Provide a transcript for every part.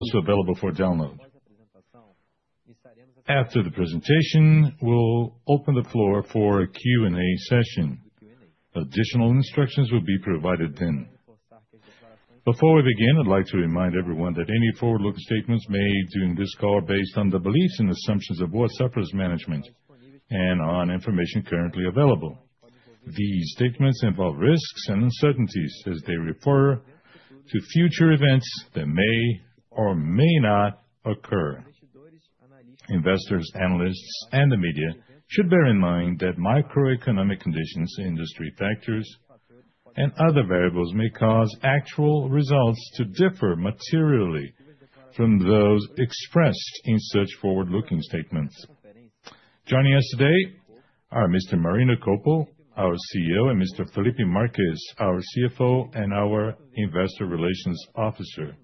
Also available for download. After the presentation, we'll open the floor for a Q&A session. Additional instructions will be provided then. Before we begin, I'd like to remind everyone that any forward-looking statements made during this call are based on the beliefs and assumptions of Boa Safra's management and on information currently available. These statements involve risks and uncertainties as they refer to future events that may or may not occur. Investors, analysts, and the media should bear in mind that macroeconomic conditions, industry factors, and other variables may cause actual results to differ materially from those expressed in such forward-looking statements. Joining us today are Mr. Marino Colpo, our CEO, and Mr. Felipe Marques, our CFO and our Investor Relations Officer.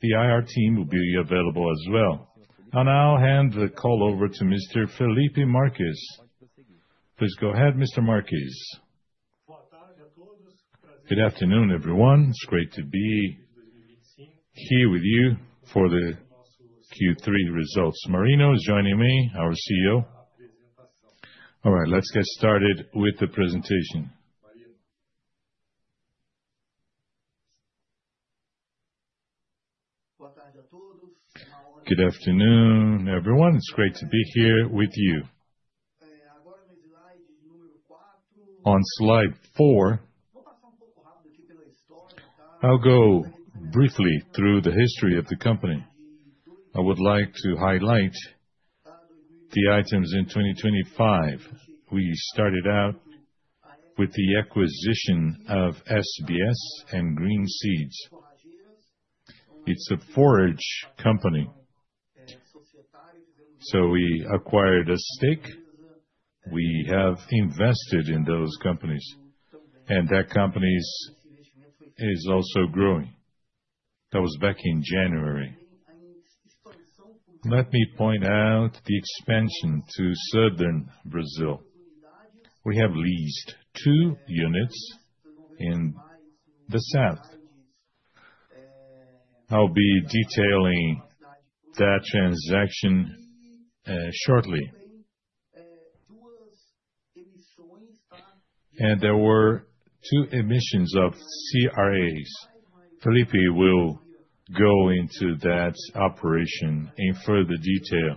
The IR team will be available as well. On our end, hand the call over to Mr. Felipe Marques. Please go ahead, Mr. Marques. Good afternoon, everyone. It's great to be here with you for the Q3 results. Marino is joining me, our CEO. All right, let's get started with the presentation. Good afternoon, everyone. It's great to be here with you. On slide four, I'll go briefly through the history of the company. I would like to highlight the items in 2025. We started out with the acquisition of SBS and Green Seeds. It's a forage company. So we acquired a stake. We have invested in those companies, and that company is also growing. That was back in January. Let me point out the expansion to southern Brazil. We have leased two units in the south. I'll be detailing that transaction shortly, and there were two emissions of CRAs. Felipe will go into that operation in further detail.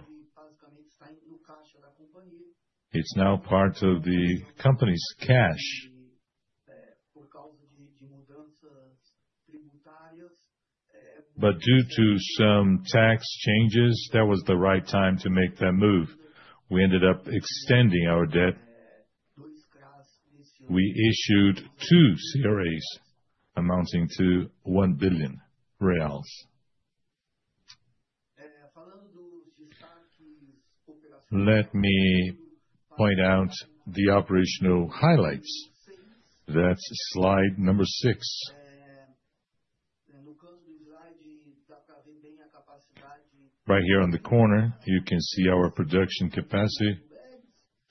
It's now part of the company's cash, but due to some tax changes, that was the right time to make that move. We ended up extending our debt. We issued two CRAs amounting to BRL 1 billion. Let me point out the operational highlights. That's slide number six. Right here on the corner, you can see our production capacity: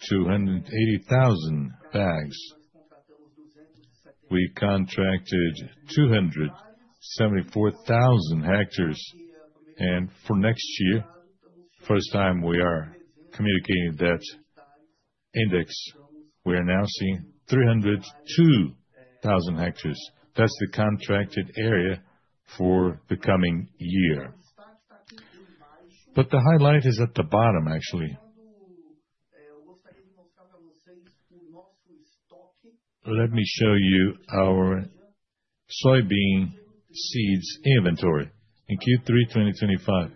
280,000 bags. We contracted 274,000 hectares, and for next year, the first time we are communicating that index, we are now seeing 302,000 hectares. That's the contracted area for the coming year. But the highlight is at the bottom, actually. Let me show you our soybean seeds inventory in Q3 2025: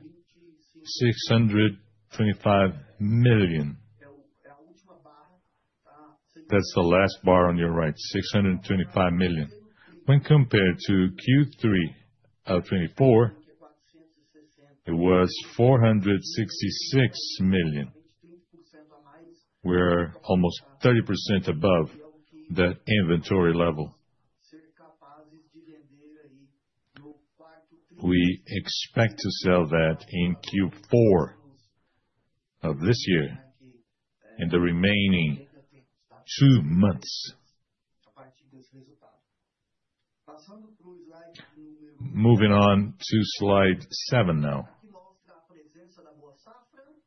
625 million. That's the last bar on your right: 625 million. When compared to Q3 of 2024, it was 466 million. We're almost 30% above that inventory level. We expect to sell that in Q4 of this year and the remaining two months. Moving on to slide seven now.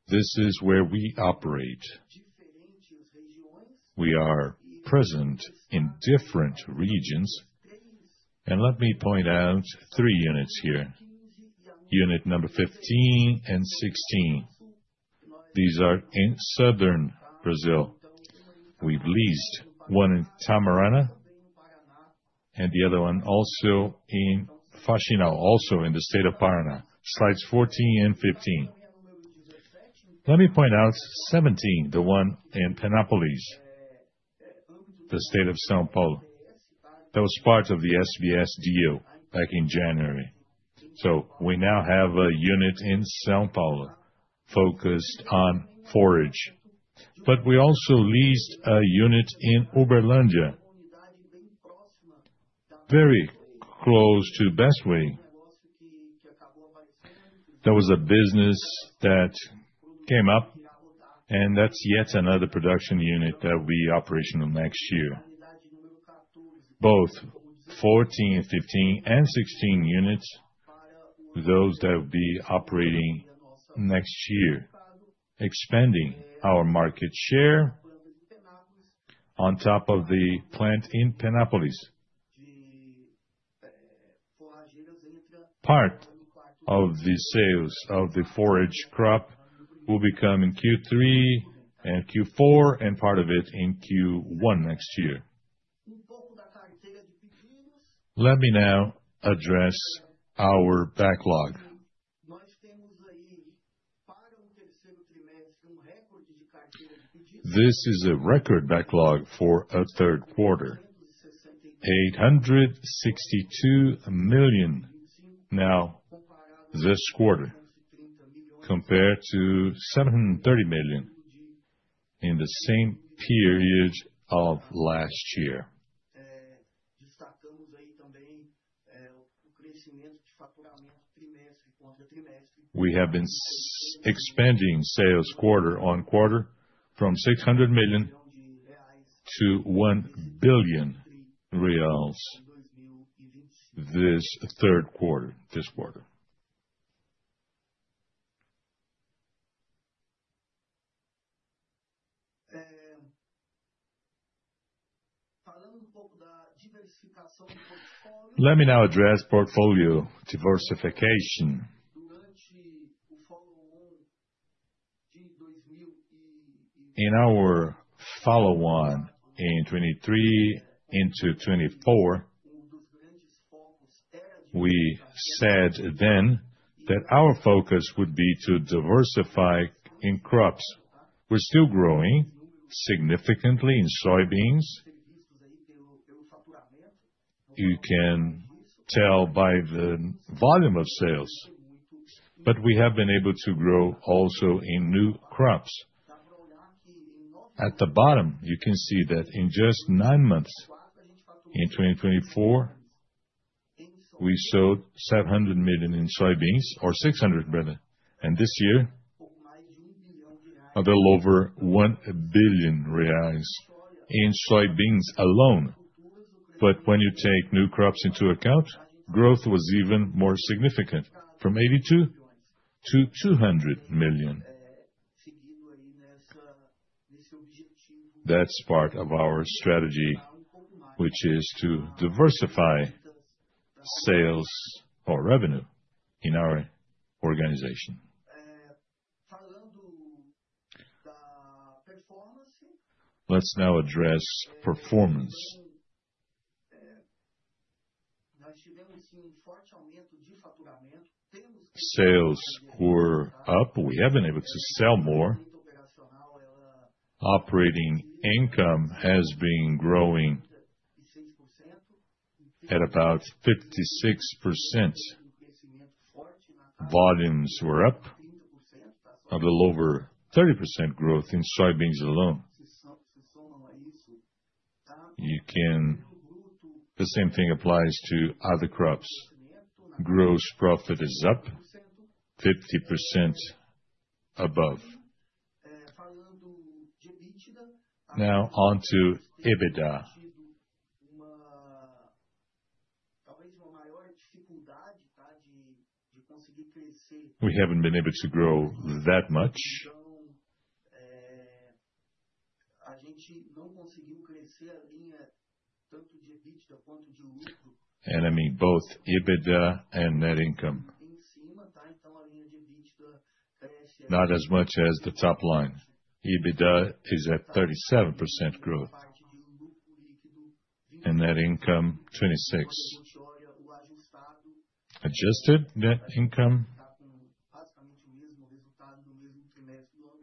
This is where we operate. We are present in different regions, and let me point out three units here: unit number 15 and 16. These are in southern Brazil. We've leased one in Tamarana and the other one also in Faxinal, also in the state of Paraná. Slides 14 and 15. Let me point out 17, the one in Penápolis, the state of São Paulo. That was part of the SBS deal back in January. So we now have a unit in São Paulo focused on forage. But we also leased a unit in Uberlândia, very close to Bestway. That was a business that came up, and that's yet another production unit that will be operational next year. Both 14, 15, and 16 units, those that will be operating next year, expanding our market share on top of the plant in Penápolis. Part of the sales of the forage crop will become in Q3 and Q4, and part of it in Q1 next year. Let me now address our backlog. This is a record backlog for a third quarter: 862 million now this quarter, compared to 730 million in the same period of last year. We have been expanding sales quarter on quarter from 600 million to 1 billion reals this third quarter. Let me now address portfolio diversification. In our follow-on in 2023 into 2024, we said then that our focus would be to diversify in crops. We're still growing significantly in soybeans. You can tell by the volume of sales, but we have been able to grow also in new crops. At the bottom, you can see that in just 9 months, in 2024, we sold 700 million in soybeans or 600 million, and this year a little over 1 billion reais in soybeans alone. But when you take new crops into account, growth was even more significant, from 82 million to 200 million. That's part of our strategy, which is to diversify sales or revenue in our organization. Let's now address performance. Sales were up. We have been able to sell more. Operating income has been growing at about 56%. Volumes were up a little over 30% growth in soybeans alone. The same thing applies to other crops. Gross profit is up 50% above. Now on to EBITDA. We haven't been able to grow that much. And I mean, both EBITDA and net income. Not as much as the top line. EBITDA is at 37% growth, and net income 26%.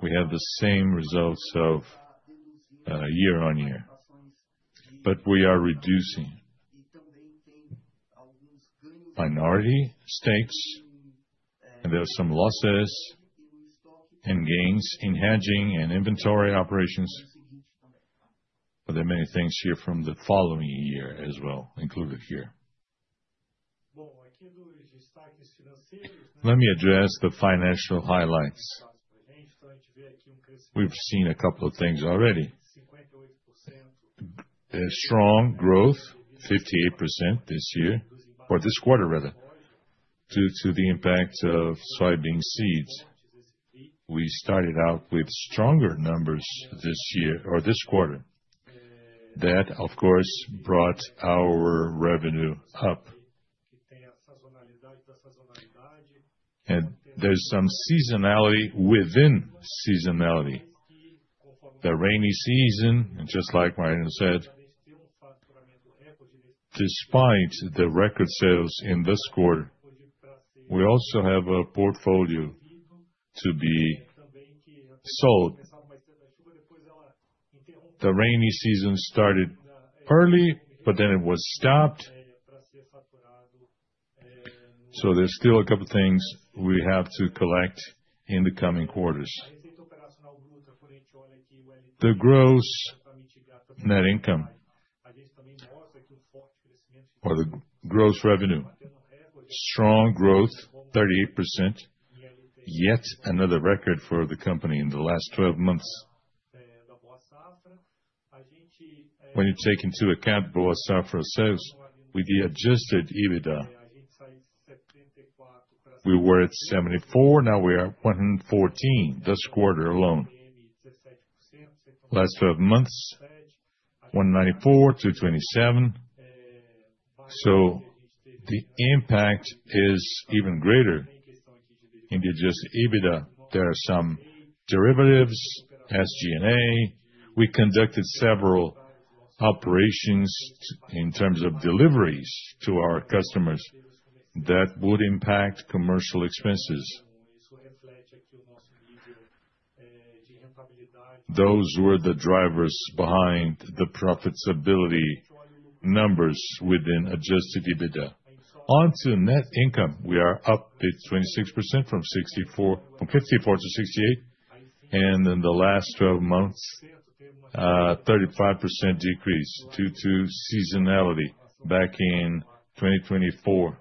We have the same results of year on year, but we are reducing minority stakes, and there are some losses and gains in hedging and inventory operations, but there are many things here from the following year as well included here. Let me address the financial highlights. We've seen a couple of things already. Strong growth, 58% this year, or this quarter, rather, due to the impact of soybean seeds. We started out with stronger numbers this year or this quarter. That, of course, brought our revenue up, and there's some seasonality within seasonality. The rainy season, just like Marino said, despite the record sales in this quarter, we also have a portfolio to be sold. The rainy season started early, but then it was stopped, so there's still a couple of things we have to collect in the coming quarters. The gross net income or the gross revenue. Strong growth, 38%, yet another record for the company in the last 12 months. When you take into account Boa Safra sales, we adjusted EBITDA. We were at 74. Now we are 114 this quarter alone. Last 12 months, 194 to 27. So the impact is even greater in the adjusted EBITDA. There are some derivatives, SG&A. We conducted several operations in terms of deliveries to our customers that would impact commercial expenses. Those were the drivers behind the profitability numbers within adjusted EBITDA. On to net income. We are up 26% from 54 to 68, and in the last 12 months, a 35% decrease due to seasonality. Back in 2024,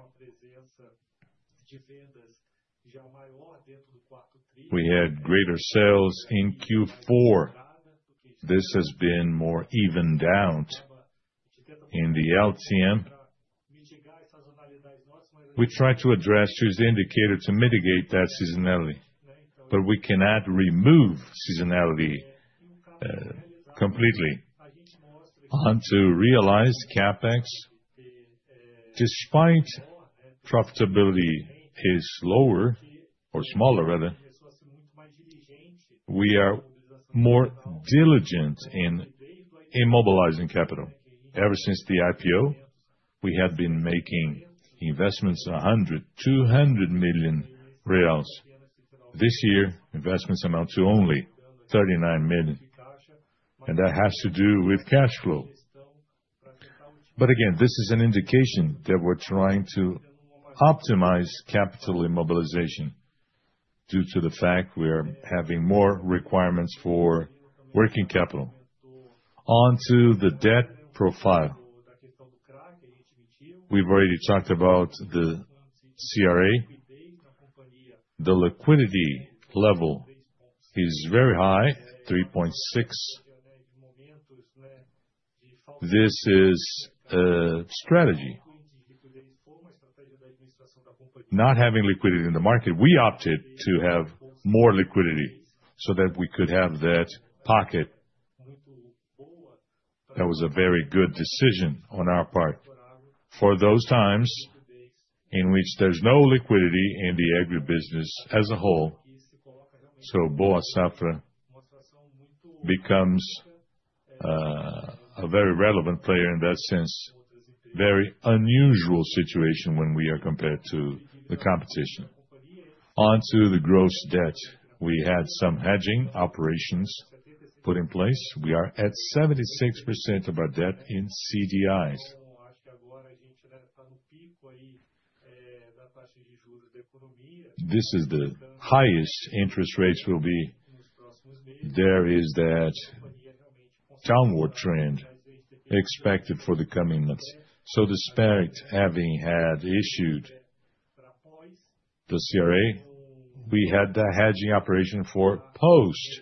we had greater sales in Q4. This has been more evened out in the LTM. We try to address this indicator to mitigate that seasonality, but we cannot remove seasonality completely. On to realized CapEx. Despite profitability is lower or smaller, rather, we are more diligent in immobilizing capital. Ever since the IPO, we have been making investments of 100-200 million reais. This year, investments amount to only 39 million, and that has to do with cash flow. But again, this is an indication that we're trying to optimize capital immobilization due to the fact we are having more requirements for working capital. On to the debt profile. We've already talked about the CRA. The liquidity level is very high, 3.6. This is a strategy. Not having liquidity in the market, we opted to have more liquidity so that we could have that pocket. That was a very good decision on our part for those times in which there's no liquidity in the agribusiness as a whole. So Boa Safra becomes a very relevant player in that sense. Very unusual situation when we are compared to the competition. On to the gross debt. We had some hedging operations put in place. We are at 76% of our debt in CDIs. This is the highest interest rates will be. There is that downward trend expected for the coming months. So despite having had issued the CRA, we had the hedging operation for post.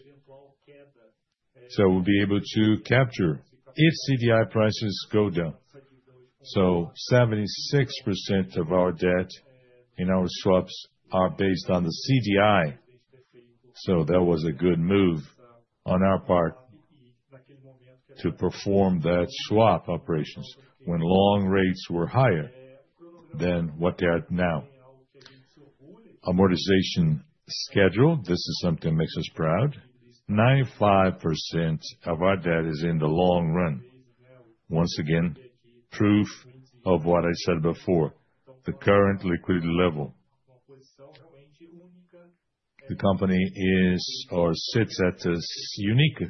So we'll be able to capture if CDI prices go down. So 76% of our debt in our swaps are based on the CDI. So that was a good move on our part to perform that swap operations when long rates were higher than what they are now. Amortization schedule, this is something that makes us proud. 95% of our debt is in the long run. Once again, proof of what I said before, the current liquidity level. The company is or sits at a unique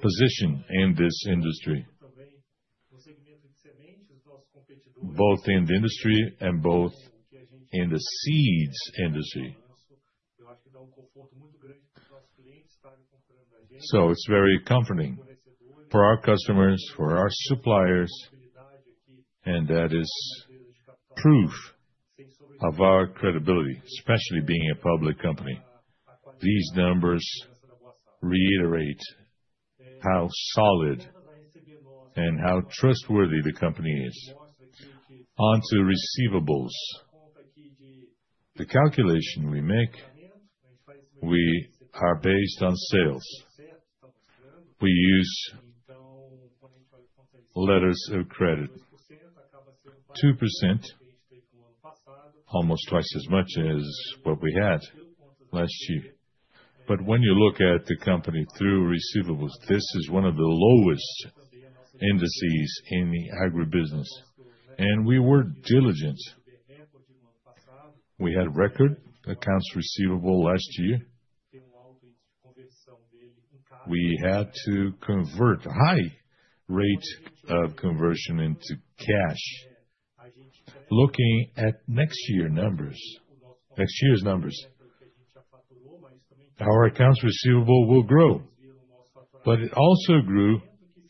position in this industry, both in the industry and both in the seeds industry. It's very comforting for our customers, for our suppliers, and that is proof of our credibility, especially being a public company. These numbers reiterate how solid and how trustworthy the company is. On to receivables. The calculation we make, we are based on sales. We use letters of credit. 2%, almost twice as much as what we had last year. But when you look at the company through receivables, this is one of the lowest indices in the agribusiness. We were diligent. We had record accounts receivable last year. We had to convert a high rate of conversion into cash. Looking at next year's numbers, our accounts receivable will grow, but it also grew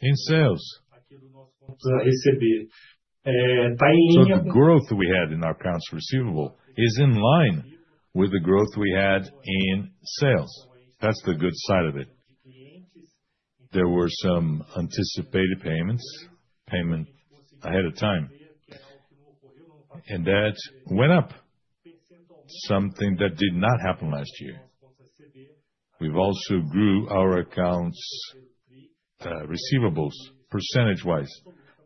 in sales. So the growth we had in our accounts receivable is in line with the growth we had in sales. That's the good side of it. There were some anticipated payments ahead of time, and that went up, something that did not happen last year. We've also grew our accounts receivables percentage-wise.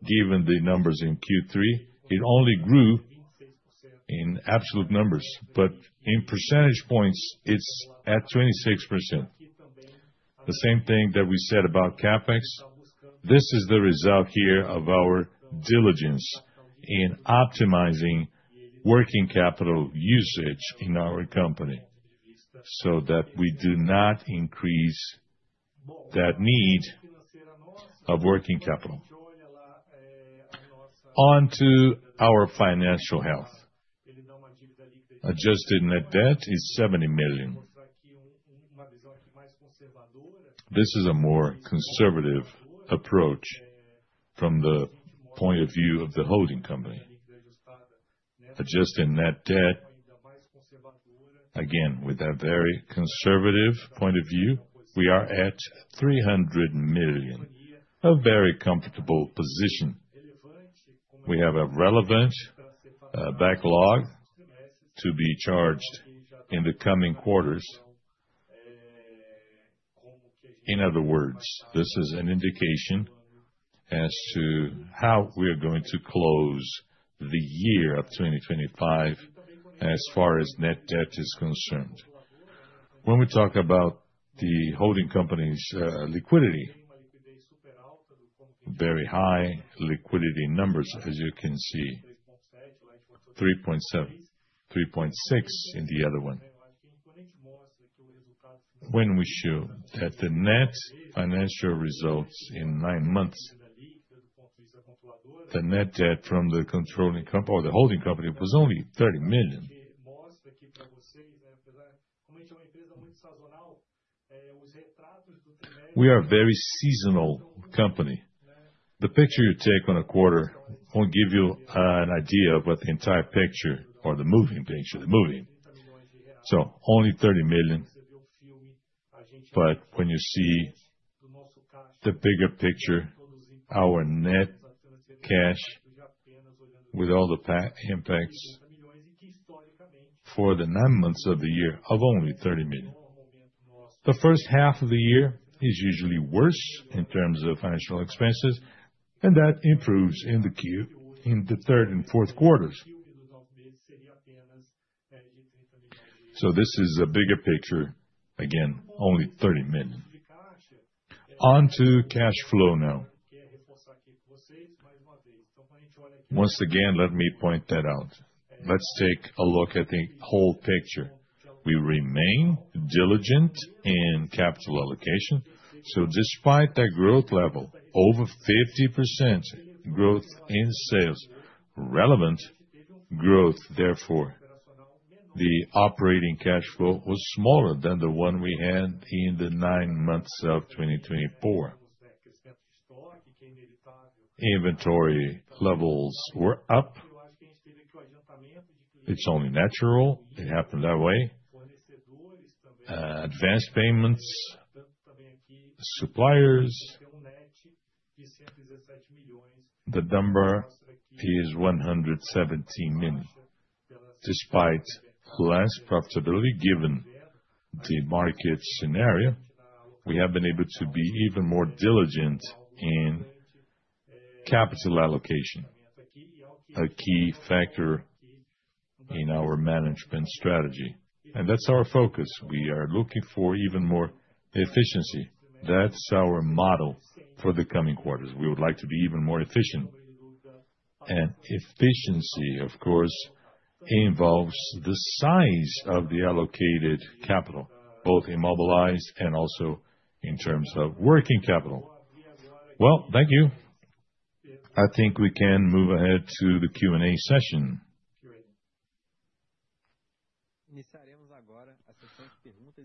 Given the numbers in Q3, it only grew in absolute numbers, but in percentage points, it's at 26%. The same thing that we said about CapEx. This is the result here of our diligence in optimizing working capital usage in our company so that we do not increase that need of working capital. On to our financial health. Adjusted net debt is BRL 70 million. This is a more conservative approach from the point of view of the holding company. Adjusted net debt, again, with a very conservative point of view, we are at 300 million of a very comfortable position. We have a relevant backlog to be charged in the coming quarters. In other words, this is an indication as to how we are going to close the year of 2025 as far as net debt is concerned. When we talk about the holding company's liquidity, very high liquidity numbers, as you can see, 3.7, 3.6 in the other one. When we show that the net financial results in 9 months, the net debt from the controlling company or the holding company was only 30 million. We are a very seasonal company. The picture you take on a quarter will give you an idea of what the entire picture or the moving picture. So only 30 million. But when you see the bigger picture, our net cash with all the impacts for the nine months of the year of only 30 million. The first half of the year is usually worse in terms of financial expenses, and that improves in the third and fourth quarters. So this is a bigger picture, again, only 30 million. On to cash flow now. Once again, let me point that out. Let's take a look at the whole picture. We remain diligent in capital allocation. So despite that growth level, over 50% growth in sales, relevant growth, therefore, the operating cash flow was smaller than the one we had in the nine months of 2024. Inventory levels were up. It's only natural. It happened that way. Advanced payments, suppliers, the number is 117 million. Despite less profitability given the market scenario, we have been able to be even more diligent in capital allocation, a key factor in our management strategy. And that's our focus. We are looking for even more efficiency. That's our model for the coming quarters. We would like to be even more efficient. And efficiency, of course, involves the size of the allocated capital, both immobilized and also in terms of working capital. Well, thank you. I think we can move ahead to the Q&A session.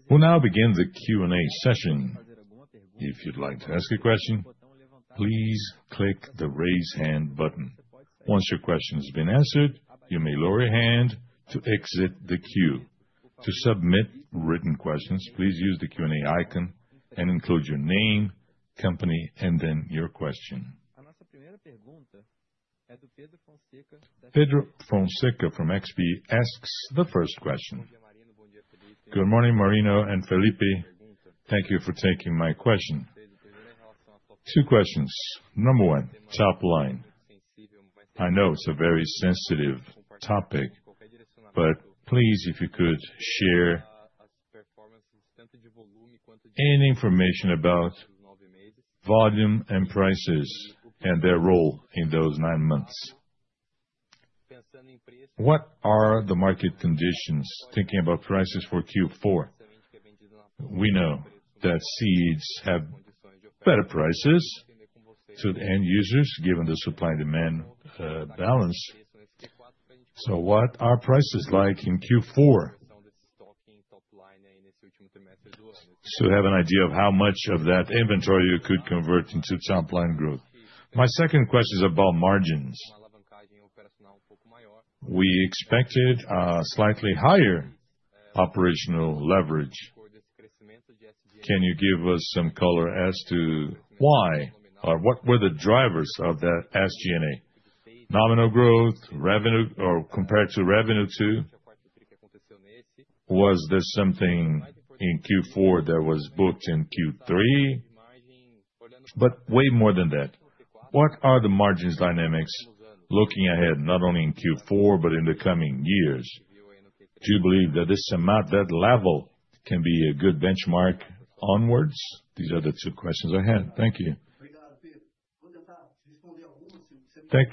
We'll now begin the Q&A session. If you'd like to ask a question, please click the raise hand button. Once your question has been answered, you may lower your hand to exit the queue. To submit written questions, please use the Q&A icon and include your name, company, and then your question. Pedro Fonseca from XP asks the first question. Good morning, Marino and Felipe. Thank you for taking my question. Two questions. Number one, top line. I know it's a very sensitive topic, but please, if you could share any information about volume and prices and their role in those nine months. What are the market conditions? Thinking about prices for Q4, we know that seeds have better prices to the end users given the supply-demand balance. So what are prices like in Q4? So you have an idea of how much of that inventory you could convert into top line growth. My second question is about margins. We expected a slightly higher operational leverage. Can you give us some color as to why or what were the drivers of that SG&A? Nominal growth, revenue, or compared to revenue to? Was there something in Q4 that was booked in Q3? But way more than that. What are the margins dynamics looking ahead, not only in Q4 but in the coming years? Do you believe that this amount, that level, can be a good benchmark onwards? These are the two questions I had. Thank you.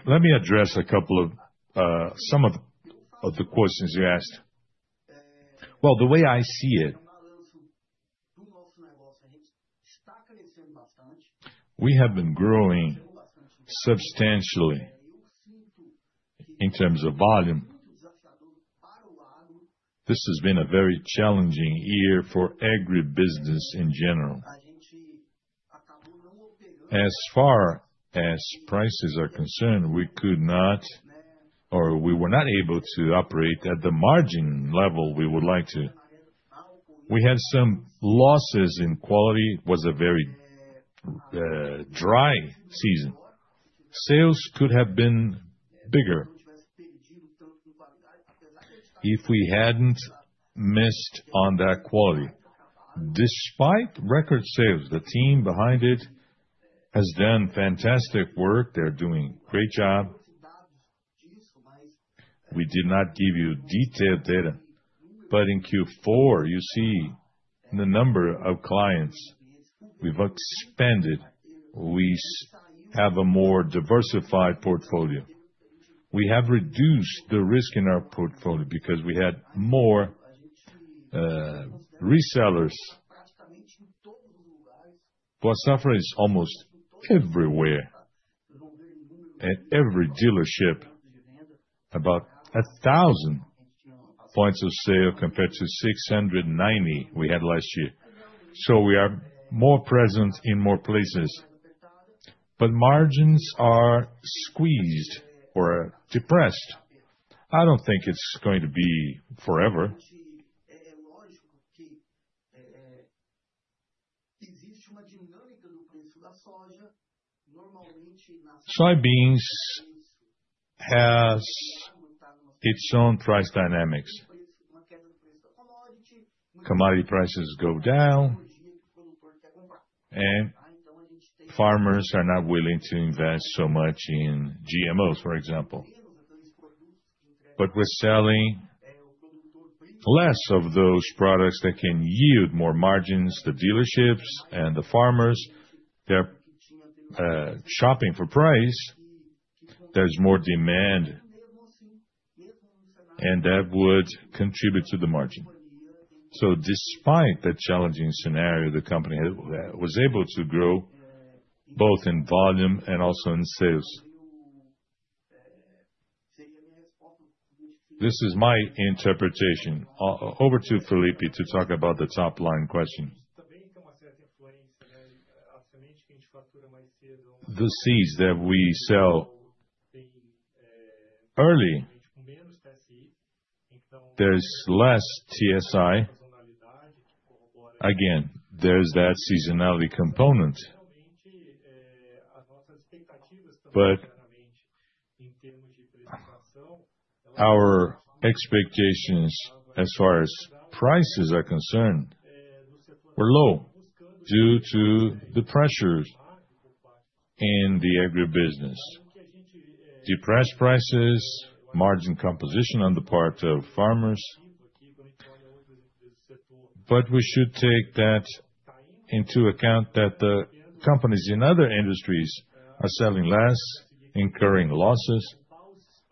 Let me address a couple of some of the questions you asked. Well, the way I see it, we have been growing substantially in terms of volume. This has been a very challenging year for agribusiness in general. As far as prices are concerned, we could not or we were not able to operate at the margin level we would like to. We had some losses in quality. It was a very dry season. Sales could have been bigger if we hadn't missed on that quality. Despite record sales, the team behind it has done fantastic work. They're doing a great job. We did not give you detailed data, but in Q4, you see the number of clients. We've expanded. We have a more diversified portfolio. We have reduced the risk in our portfolio because we had more resellers. Boa Safra is almost everywhere at every dealership, about 1,000 points of sale compared to 690 we had last year. So we are more present in more places, but margins are squeezed or depressed. I don't think it's going to be forever. Soybeans has its own price dynamics. Commodity prices go down, farmers are not willing to invest so much in GMOs, for example, but we're selling less of those products that can yield more margins to dealerships and the farmers. They're shopping for price. There's more demand, and that would contribute to the margin, so despite the challenging scenario, the company was able to grow both in volume and also in sales. This is my interpretation. Over to Felipe to talk about the top line question. The seeds that we sell early, there's less TSI. Again, there's that seasonality component. But our expectations as far as prices are concerned were low due to the pressures in the agribusiness, depressed prices, margin composition on the part of farmers. But we should take that into account that the companies in other industries are selling less, incurring losses.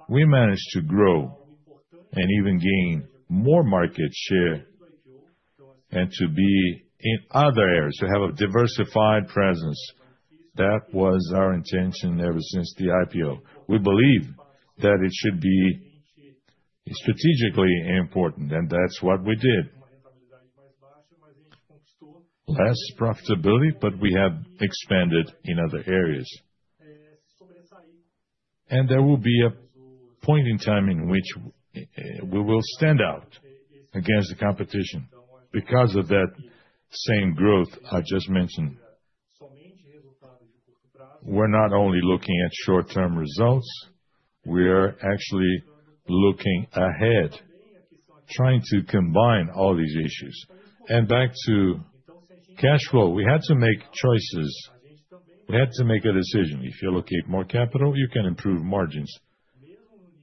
We managed to grow and even gain more market share and to be in other areas, to have a diversified presence. That was our intention ever since the IPO. We believe that it should be strategically important, and that's what we did. Less profitability, but we have expanded in other areas. And there will be a point in time in which we will stand out against the competition. Because of that same growth I just mentioned, we're not only looking at short-term results, we're actually looking ahead, trying to combine all these issues. And back to cash flow, we had to make choices. We had to make a decision. If you allocate more capital, you can improve margins.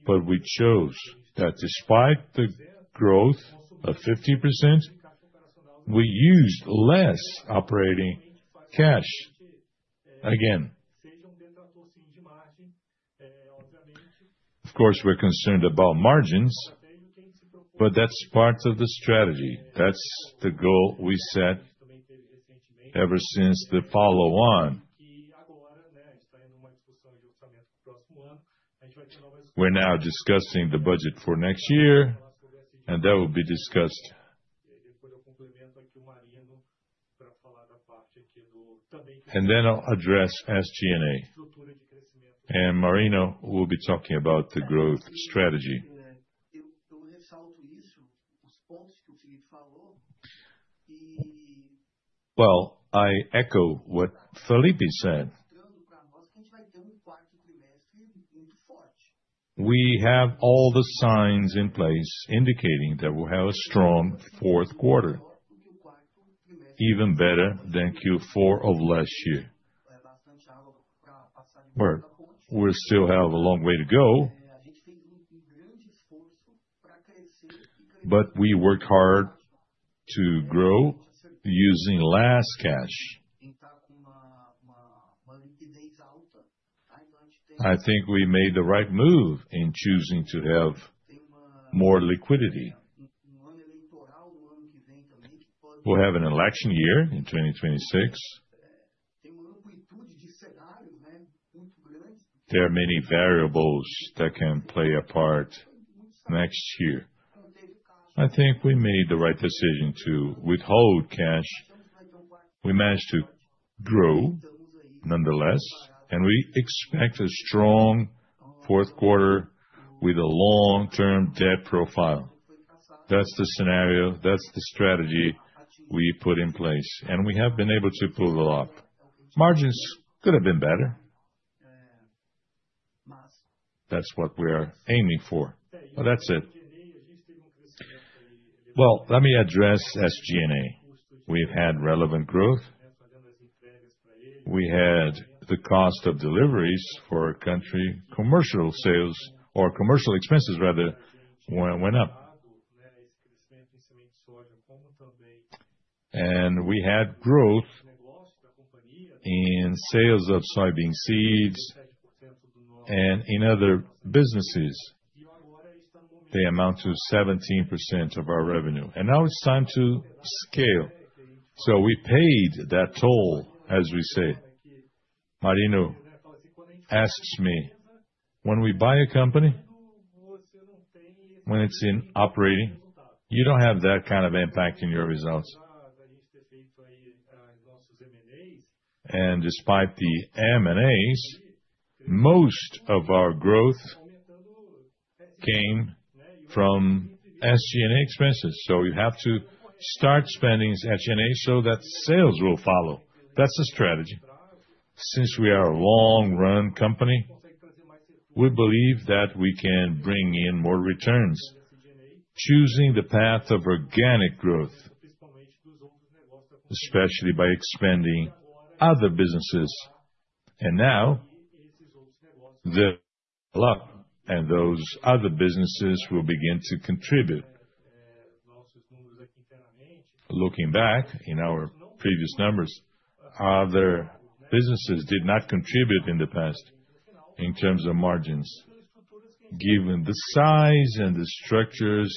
But we chose that despite the growth of 50%, we used less operating cash. Again, of course, we're concerned about margins, but that's part of the strategy. That's the goal we set ever since the follow-on. We're now discussing the budget for next year, and that will be discussed. And then I'll address SG&A. And Marino will be talking about the growth strategy. Well, I echo what Felipe said, que a gente vai ter quarto trimestre muito forte. We have all the signs in place indicating that we'll have a strong fourth quarter, even better than Q4 of last year. We still have a long way to go, but we work hard to grow using less cash. I think we made the right move in choosing to have more liquidity. We'll have an election year in 2026. There are many variables that can play a part next year. I think we made the right decision to withhold cash. We managed to grow nonetheless, and we expect a strong fourth quarter with a long-term debt profile. That's the scenario, that's the strategy we put in place, and we have been able to pull it off. Margins could have been better. That's what w are aiming for. But that's it. Let me address SG&A. We've had relevant growth. We had the cost of deliveries for our country. Commercial sales or commercial expenses, rather, went up, and we had growth in sales of soybean seeds and in other businesses. They amount to 17% of our revenue, and now it's time to scale, so we paid that toll, as we say. Marino asks me, when we buy a company, when it's operating, you don't have that kind of impact in your results, and despite the M&As, most of our growth came from SG&A expenses, so you have to start spending SG&A so that sales will follow. That's the strategy. Since we are a long-run company, we believe that we can bring in more returns, choosing the path of organic growth, especially by expanding other businesses, and now those other businesses will begin to contribute. Looking back in our previous numbers, other businesses did not contribute in the past in terms of margins. Given the size and the structures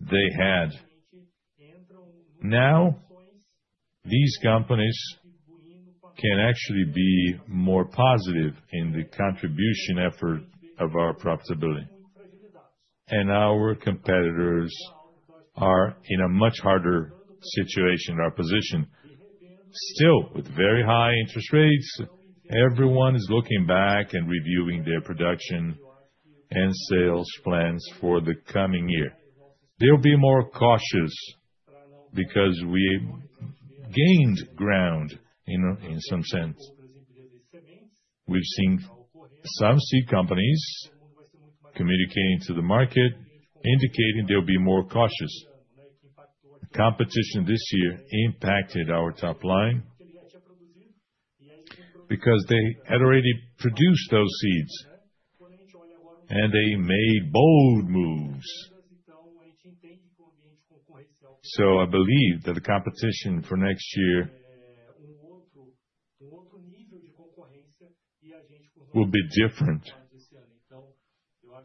they had, now these companies can actually be more positive in the contribution effort of our profitability. And our competitors are in a much harder situation, our position. Still, with very high interest rates, everyone is looking back and reviewing their production and sales plans for the coming year. They'll be more cautious because we gained ground in some sense. We've seen some seed companies communicating to the market, indicating they'll be more cautious. Competition this year impacted our top line because they had already produced those seeds, and they made bold moves. So I believe that the competition for next year will be different.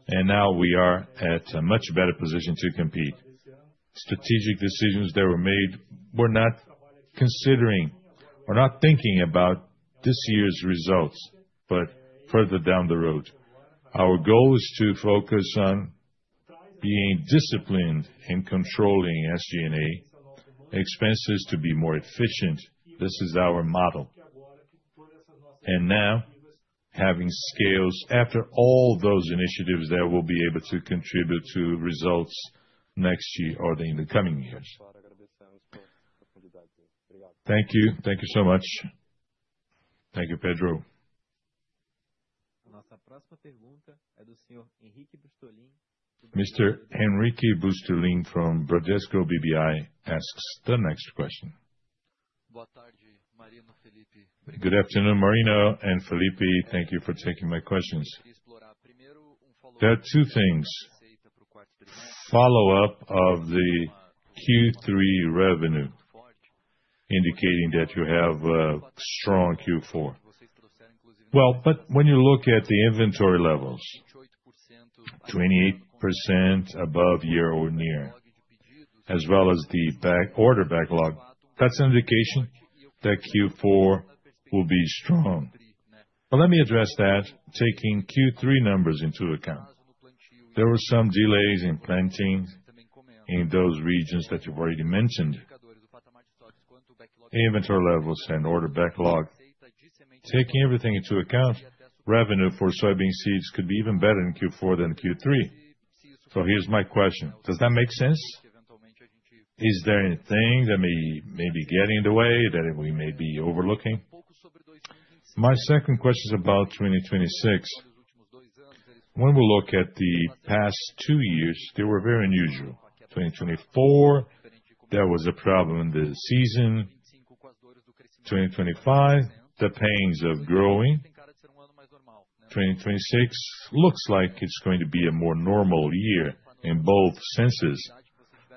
And now we are at a much better position to compete. Strategic decisions that were made were not considering or not thinking about this year's results, but further down the road. Our goal is to focus on being disciplined in controlling SG&A expenses to be more efficient. This is our model. And now, having scales. After all those initiatives, they will be able to contribute to results next year or in the coming years. Thank you. Thank you so much. Thank you, Pedro. Mr. Henrique Brustolin from Bradesco BBI asks the next question. Good afternoon, Marino and Felipe. Thank you for taking my questions. There are two things: follow-up of the Q3 revenue, indicating that you have a strong Q4. Well, but when you look at the inventory levels, 28% above year-on-year, as well as the order backlog, that's an indication that Q4 will be strong. But let me address that, taking Q3 numbers into account. There were some delays in planting in those regions that you've already mentioned, inventory levels and order backlog. Taking everything into account, revenue for soybean seeds could be even better in Q4 than Q3. So here's my question. Does that make sense? Is there anything that may be getting in the way that we may be overlooking? My second question is about 2026. When we look at the past two years, they were very unusual. 2024, there was a problem in the season. 2025, the pains of growing. 2026 looks like it's going to be a more normal year in both senses.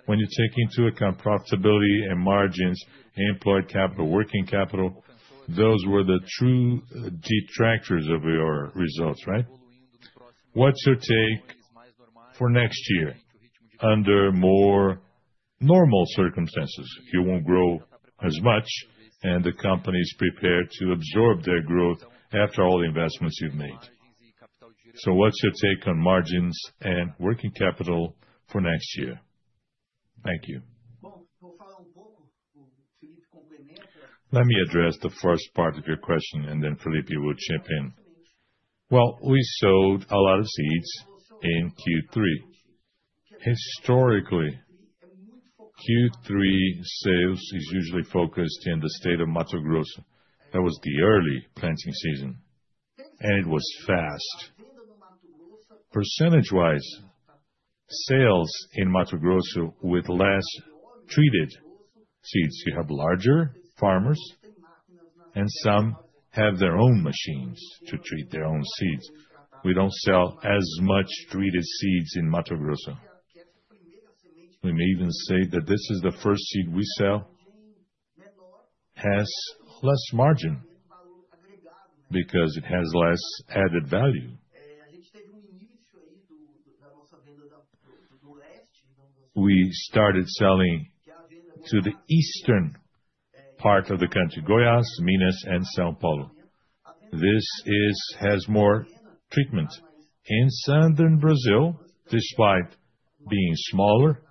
When you take into account profitability and margins, employed capital, working capital, those were the true detractors of your results, right? What's your take for next year? Under more normal circumstances, you won't grow as much, and the company is prepared to absorb their growth after all the investments you've made. So what's your take on margins and working capital for next year? Thank you. Let me address the first part of your question, and then Felipe will chip in. Well, we sold a lot of seeds in Q3. Historically, Q3 sales is usually focused in the state of Mato Grosso. That was the early planting season, and it was fast. Percentage-wise, sales in Mato Grosso with less treated seeds. You have larger farmers, and some have their own machines to treat their own seeds. We don't sell as much treated seeds in Mato Grosso. We may even say that this is the first seed we sell has less margin because it has less added value. We started selling to the eastern part of the country, Goiás, Minas, and São Paulo. This has more treatment in southern Brazil, despite being smaller,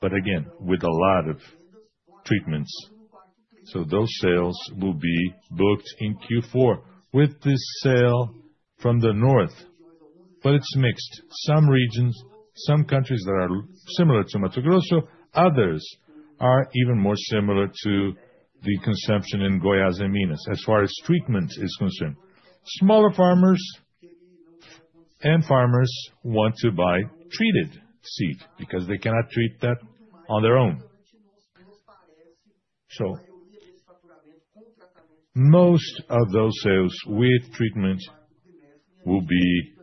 but again, with a lot of treatments. So those sales will be booked in Q4 with the sale from the north, but it's mixed. Some regions, some countries that are similar to Mato Grosso, others are even more similar to the consumption in Goiás and Minas as far as treatment is concerned. Smaller farmers and farmers want to buy treated seed because they cannot treat that on their own. So most of those sales with treatment will be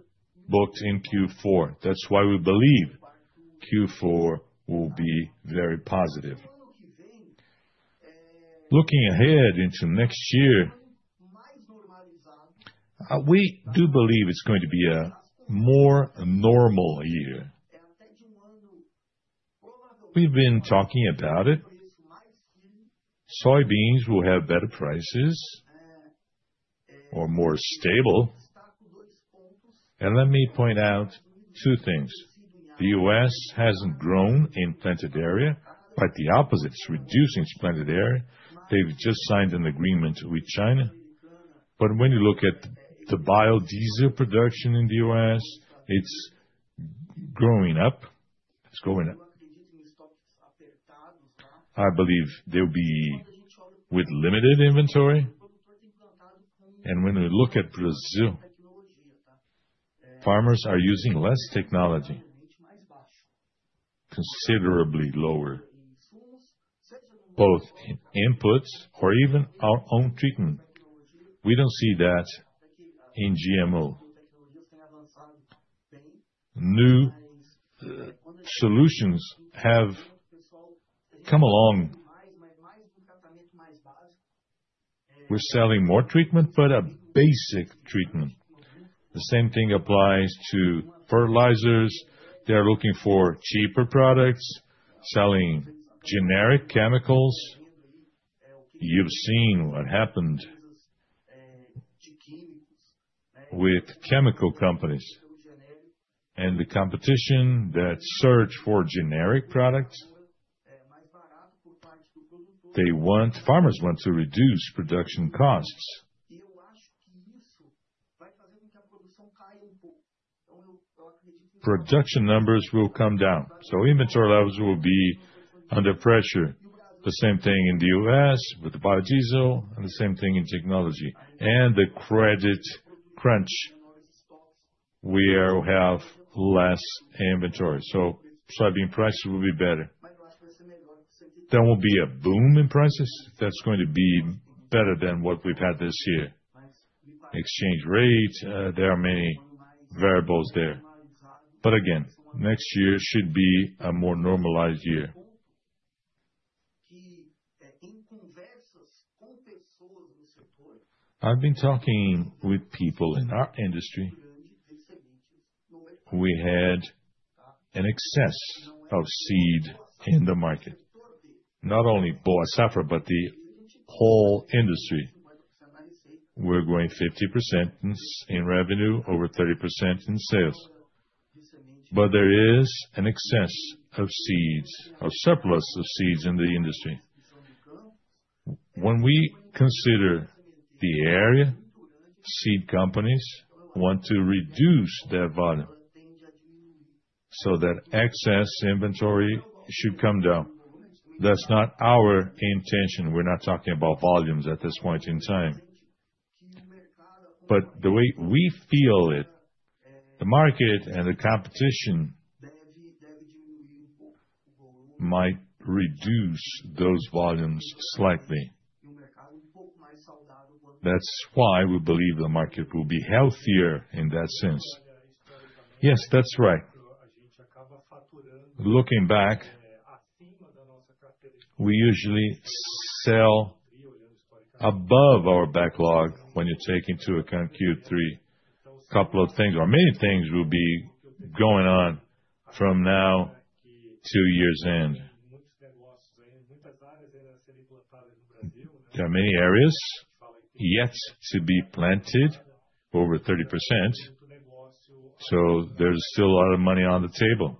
booked in Q4. That's why we believe Q4 will be very positive. Looking ahead into next year, we do believe it's going to be a more normal year. We've been talking about it. Soybeans will have better prices or more stable. And let me point out two things. The U.S. hasn't grown in planted area, quite the opposite, it's reducing planted area. They've just signed an agreement with China. But when you look at the biodiesel production in the U.S., it's growing up. It's going up. I believe they'll be with limited inventory. When we look at Brazil, farmers are using less technology, considerably lower, both in inputs or even our own treatment. We don't see that in GMO. New solutions have come along. We're selling more treatment, but a basic treatment. The same thing applies to fertilizers. They're looking for cheaper products, using generic chemicals. You've seen what happened with chemical companies and the competition, the search for generic products. Farmers want to reduce production costs. Production numbers will come down. So inventory levels will be under pressure. The same thing in the U.S. with the biodiesel and the same thing in technology. And the credit crunch, we will have less inventory. So soybean prices will be better. There will be a boom in prices. That's going to be better than what we've had this year. Exchange rate, there are many variables there. But again, next year should be a more normalized year. I've been talking with people in our industry. We had an excess of seed in the market. Not only Boa Safra, but the whole industry. We're growing 50% in revenue, over 30% in sales. But there is an excess of seeds, a surplus of seeds in the industry. When we consider the area, seed companies want to reduce their volume so that excess inventory should come down. That's not our intention. We're not talking about volumes at this point in time. But the way we feel it, the market and the competition might reduce those volumes slightly. That's why we believe the market will be healthier in that sense. Yes, that's right. Looking back, we usually sell above our backlog when you take into account Q3. A couple of things, or many things will be going on from now to year's end. There are many areas yet to be planted, over 30%. So there's still a lot of money on the table.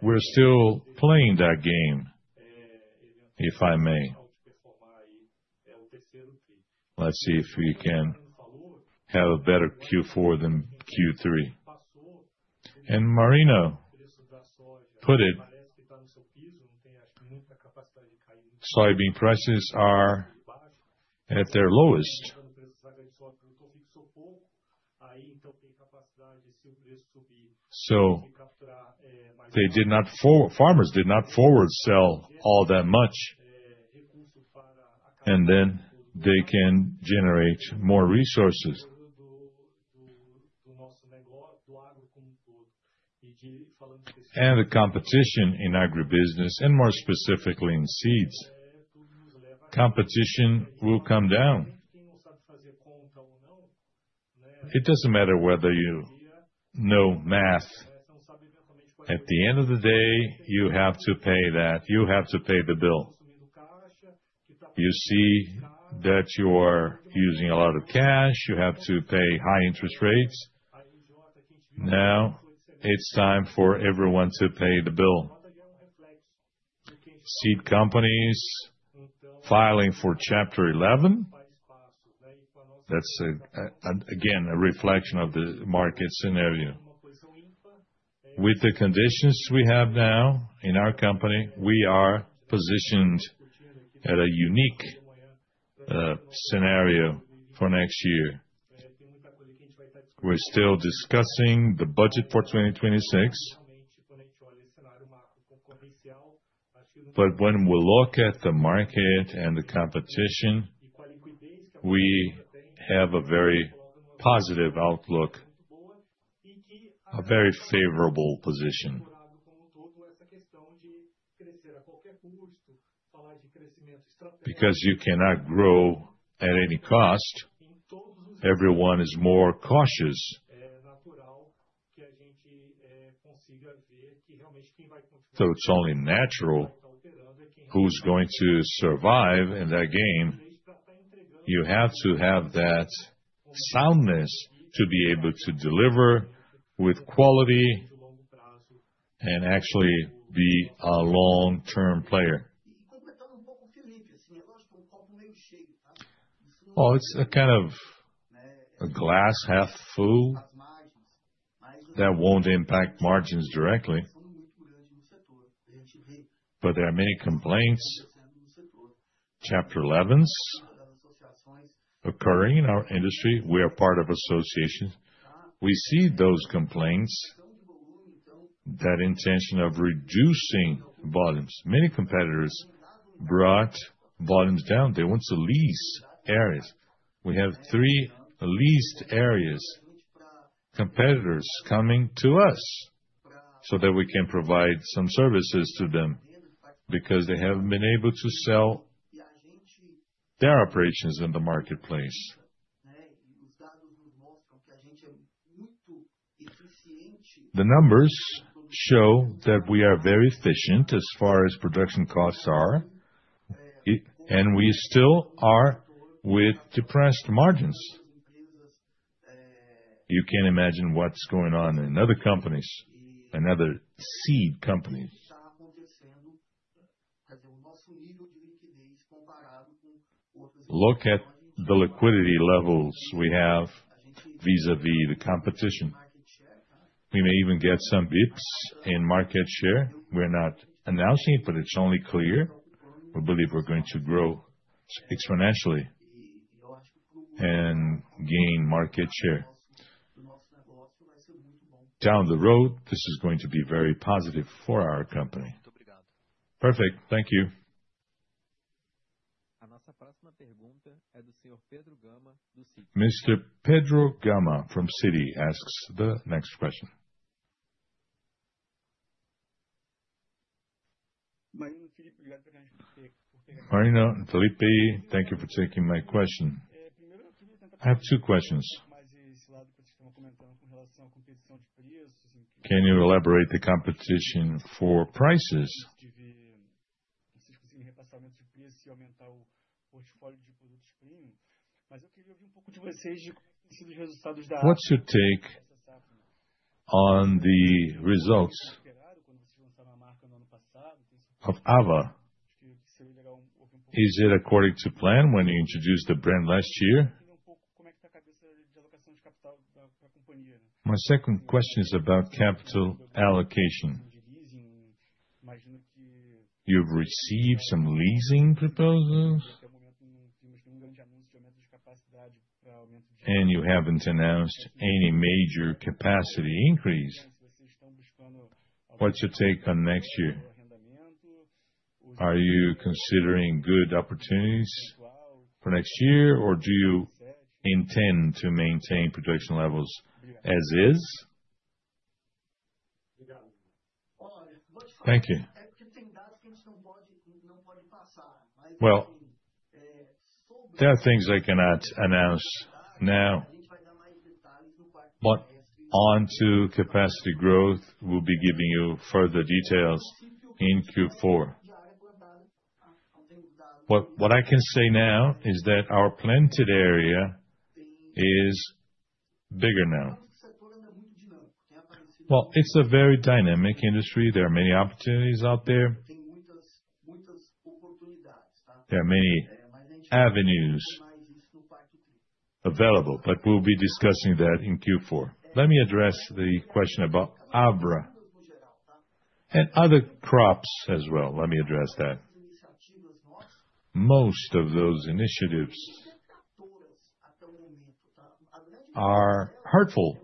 We're still playing that game, if I may. Let's see if we can have a better Q4 than Q3. And Marino, put it, soybean prices are at their lowest. So farmers did not forward sell all that much, and then they can generate more resources. And the competition in agribusiness, and more specifically in seeds, competition will come down. It doesn't matter whether you know math. At the end of the day, you have to pay that. You have to pay the bill. You see that you are using a lot of cash. You have to pay high interest rates. Now it's time for everyone to pay the bill. Seed companies filing for Chapter 11. That's again a reflection of the market scenario. With the conditions we have now in our company, we are positioned at a unique scenario for next year. We're still discussing the budget for 2026. But when we look at the market and the competition, we have a very positive outlook, a very favorable position. Because you cannot grow at any cost, everyone is more cautious. So it's only natural who's going to survive in that game. You have to have that soundness to be able to deliver with quality and actually be a long-term player. It's a kind of glass half full that won't impact margins directly. But there are many complaints Chapter 11s occurring in our industry. We are part of associations. We see those complaints that intention of reducing volumes. Many competitors brought volumes down. They want to lease areas. We have three leased areas. Competitors coming to us so that we can provide some services to them because they haven't been able to sell their operations in the marketplace. The numbers show that we are very efficient as far as production costs are, and we still are with depressed margins. You can't imagine what's going on in other companies, in other seed companies. Look at the liquidity levels we have vis-à-vis the competition. We may even get some basis points in market share. We're not announcing it, but it's only clear. We believe we're going to grow exponentially and gain market share. Down the road, this is going to be very positive for our company. Perfect. Thank you. Mr. Pedro Gama from Citi asks the next question. Marino, Felipe, thank you for taking my question. I have two questions. Can you elaborate the competition for prices? What's your take on the results? Is it according to plan when you introduced the brand last year? My second question is about capital. And you haven't announced any major capacity increase. What's your take on next year? Are you considering good opportunities for next year, or do you intend to maintain production levels as is? Thank you. There are things I cannot announce now. Onto capacity growth, we'll be giving you further details in Q4. What I can say now is that our planted area is bigger now. Well, it's a very dynamic industry. There are many opportunities out there. There are many avenues available, but we'll be discussing that in Q4. Let me address the question about Abra and other crops as well. Let me address that. Most of those initiatives are hurtful.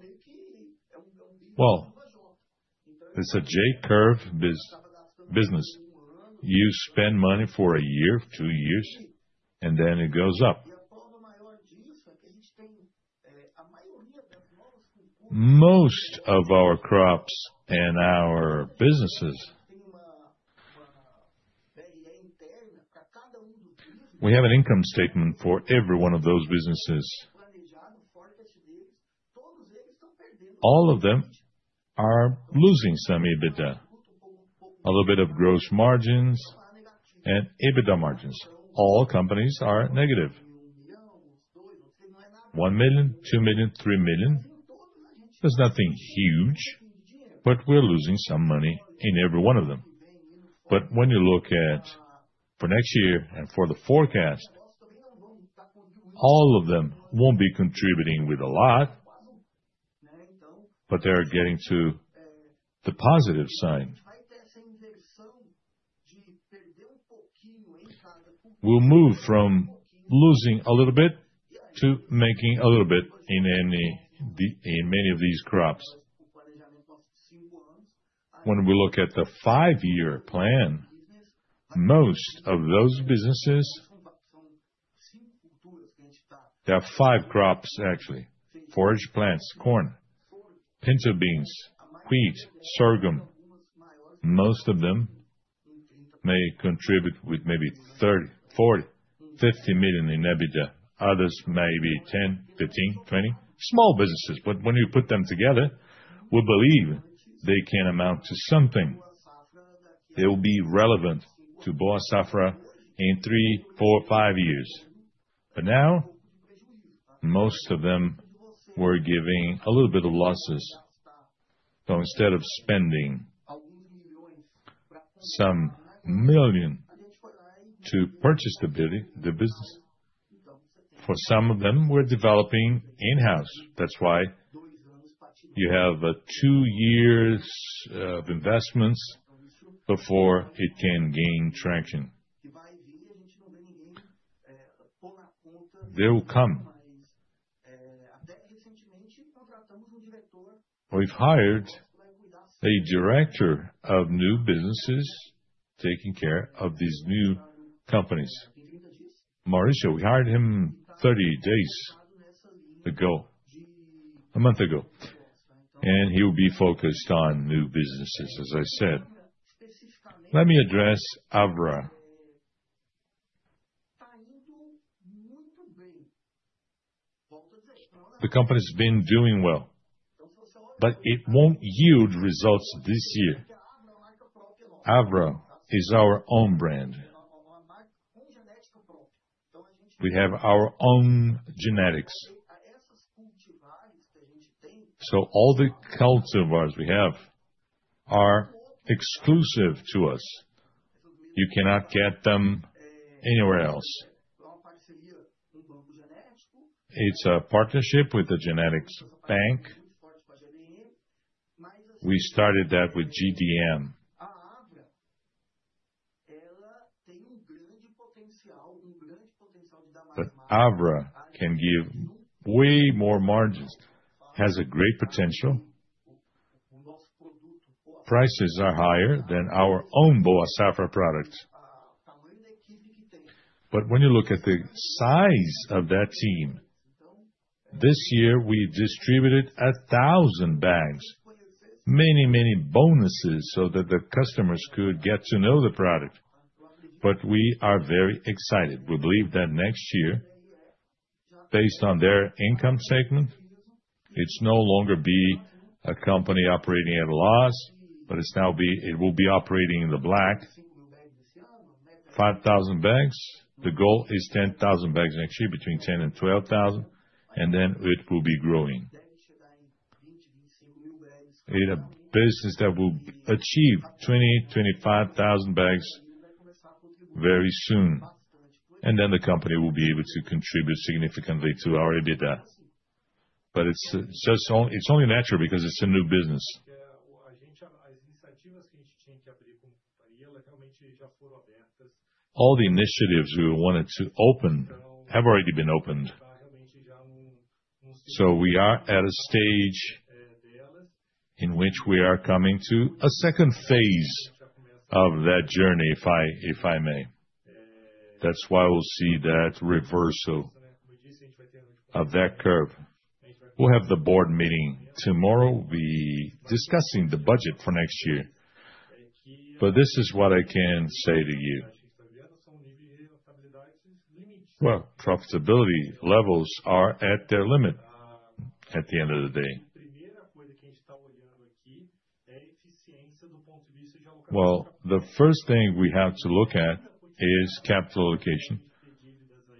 It's a J-curve business. You spend money for a year, two years, and then it goes up. Most of our crops and our businesses are losing some EBITDA, a little bit of gross margins and EBITDA margins. All companies are negative. 1 million, 2 million, 3 million. There's nothing huge, but we're losing some money in every one of them. But when you look at for next year and for the forecast, all of them won't be contributing with a lot, but they are getting to the positive side. We'll move from losing a little bit to making a little bit in many of these crops. When we look at the five-year plan, most of those businesses have five crops, actually: forage plants, corn, pinto beans, wheat, sorghum. Most of them may contribute with maybe 30 million, 40 million, 50 million in EBITDA. Others may be 10 million, 15 million, 20 million. Small businesses, but when you put them together, we believe they can amount to something. They will be relevant to Boa Safra in three, four, five years. But now most of them were giving a little bit of losses. So instead of spending some million to purchase the business, for some of them we're developing in-house. That's why you have two years of investments before it can gain traction. We've hired a director of new businesses taking care of these new companies. Mauricio, we hired him 30 days ago, a month ago, and he will be focused on new businesses, as I said. Let me address Abra. The company's been doing well, but it won't yield results this year. Abra is our own brand. We have our own genetics. So all the cultivars we have are exclusive to us. You cannot get them anywhere else. It's a partnership with the genetics bank. We started that with GDM. But Abra can give way more margins. It has a great potential. Prices are higher than our own Boa Safra product. But when you look at the size of that team, this year we distributed 1,000 bags, many, many bonuses so that the customers could get to know the product. But we are very excited. We believe that next year, based on their income statement, it's no longer be a company operating at a loss, but it will be operating in the black. 5,000 bags. The goal is 10,000 bags next year, between 10 and 12 thousand, and then it will be growing. It's a business that will achieve 20,000-25,000 bags very soon, and then the company will be able to contribute significantly to our EBITDA. But it's only natural because it's a new business. All the initiatives we wanted to open have already been opened. So we are at a stage in which we are coming to a second phase of that journey, if I may. That's why we'll see that reversal of that curve. We'll have the board meeting tomorrow, be discussing the budget for next year. But this is what I can say to you. Well, profitability levels are at their limit at the end of the day. Well, the first thing we have to look at is capital allocation.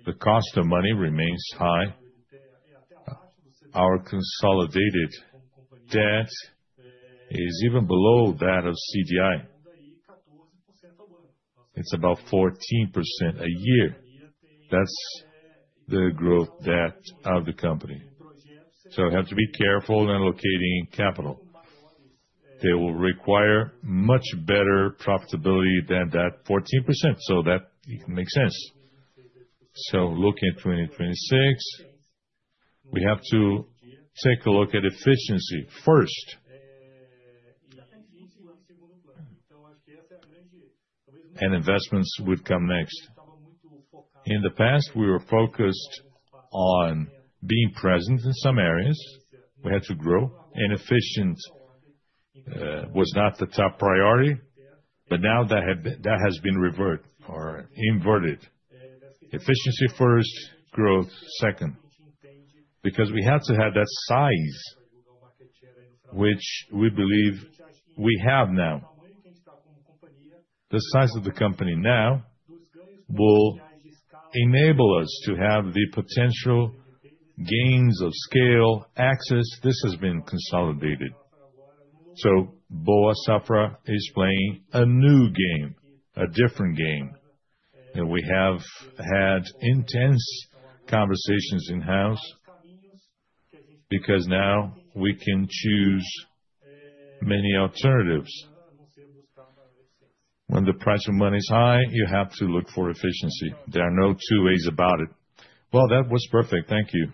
The cost of money remains high. Our consolidated debt is even below that of CDI. It's about 14% a year. That's the gross debt of the company. So we have to be careful in allocating capital. They will require much better profitability than that 14%, so that makes sense. So looking at 2026, we have to take a look at efficiency first. And investments would come next. In the past, we were focused on being present in some areas. We had to grow. Inefficient was not the top priority, but now that has been reverted or inverted. Efficiency first, growth second. Because we have to have that size, which we believe we have now. The size of the company now will enable us to have the potential gains of scale, access. This has been consolidated. So Boa Safra is playing a new game, a different game. And we have had intense conversations in-house because now we can choose many alternatives. When the price of money is high, you have to look for efficiency. There are no two ways about it. Well, that was perfect. Thank you.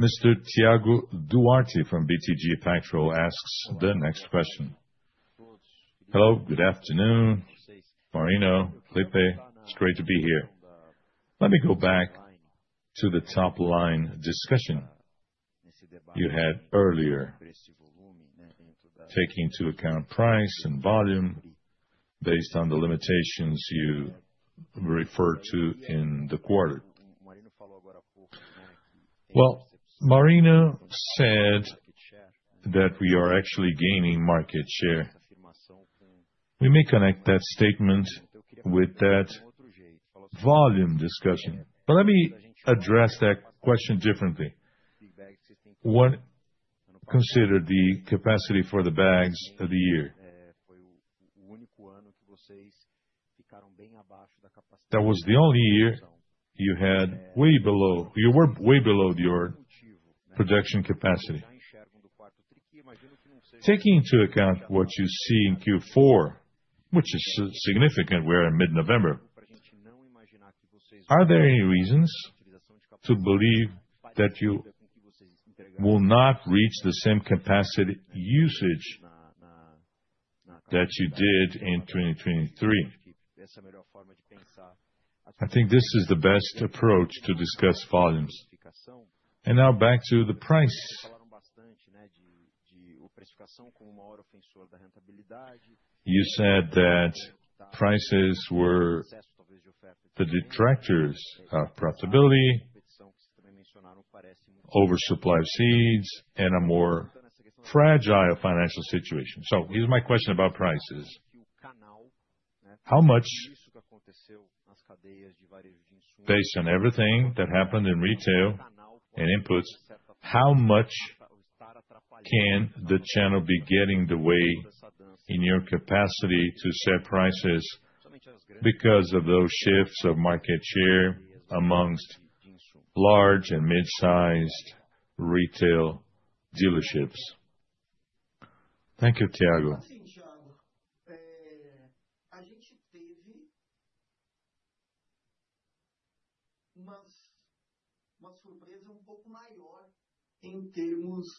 Mr. Thiago Duarte from BTG Pactual asks the next question. Hello, good afternoon. Marino, Felipe, it's great to be here. Let me go back to the top-line discussion you had earlier, taking into account price and volume based on the limitations you referred to in the quarter. Well, Marino said that we are actually gaining market share. We may connect that statement with that volume discussion. But let me address that question differently. Consider the capacity for the bags of the year. That was the only year you were way below your production capacity. Taking into account what you see in Q4, which is significant, we are in mid-November, are there any reasons to believe that you will not reach the same capacity usage that you did in 2023? I think this is the best approach to discuss volumes. And now back to the price. You said that prices were the detractors of profitability. Oversupply of seeds and a more fragile financial situation. So here's my question about prices. How much, based on everything that happened in retail and inputs, can the channel be getting the way in your capacity to set prices because of those shifts of market share among large and mid-sized retail dealerships? Thank you, Thiago.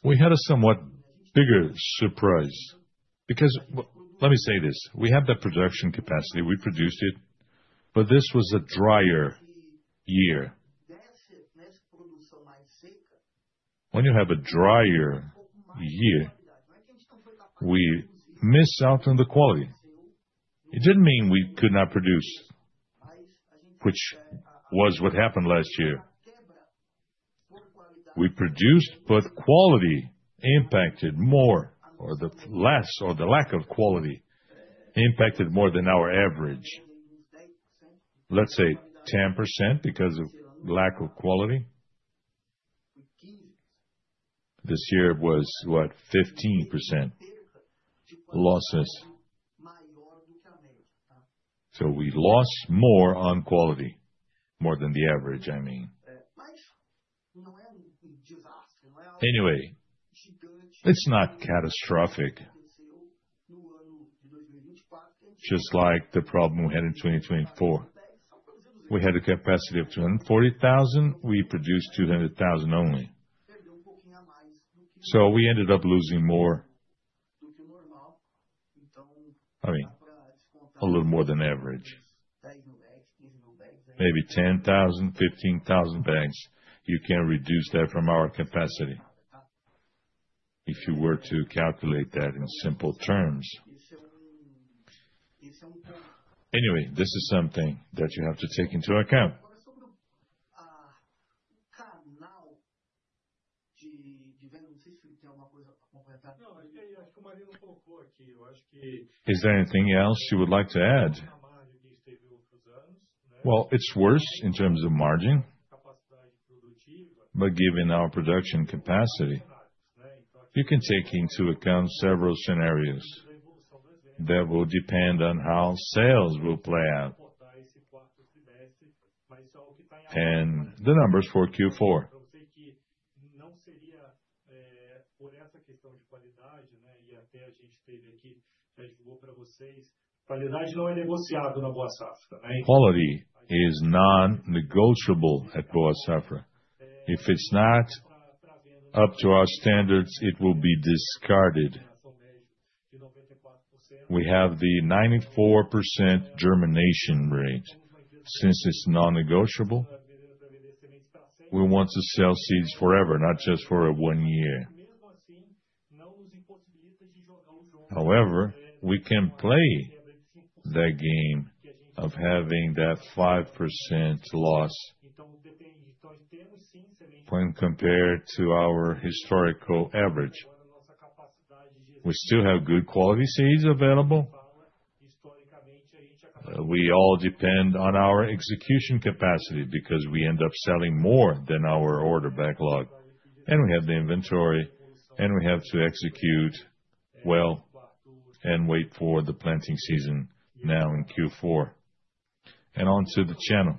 We had a somewhat bigger surprise. Because let me say this: we have the production capacity, we produced it, but this was a drier year. When you have a drier year, we missed out on the quality. It didn't mean we could not produce, which was what happened last year. We produced, but quality impacted more, or the less, or the lack of quality impacted more than our average. Let's say 10% because of lack of quality. This year was, what, 15% losses. So we lost more on quality, more than the average, I mean. Anyway, it's not catastrophic, just like the problem we had in 2024. We had a capacity of 240,000. We produced 200,000 only. So we ended up losing a little more than average. Maybe 10,000, 15,000 bags. You can reduce that from our capacity if you were to calculate that in simple terms. Anyway, this is something that you have to take into account. Is there anything else you would like to add? It's worse in terms of margin, but given our production capacity, you can take into account several scenarios that will depend on how sales will play out and the numbers for Q4. Quality is non-negotiable at Boa Safra. If it's not up to our standards, it will be discarded. We have the 94% germination rate. Since it's non-negotiable, we want to sell seeds forever, not just for one year. However, we can play that game of having that 5% loss when compared to our historical average. We still have good quality seeds available. We all depend on our execution capacity because we end up selling more than our order backlog. And we have the inventory, and we have to execute well and wait for the planting season now in Q4. And onto the channel.